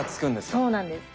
そうなんです。